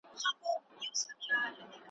د غمونو سوي چیغي تر غوږونو نه رسیږي ,